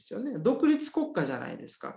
独立国家じゃないですか。